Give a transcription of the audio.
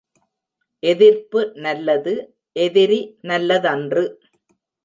எதிர்ப்பு நல்லது எதிரி நல்லதன்று.